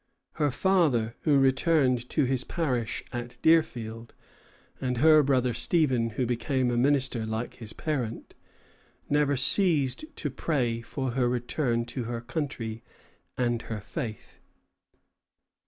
Her father, who returned to his parish at Deerfield, and her brother Stephen, who became a minister like his parent, never ceased to pray for her return to her country and her faith.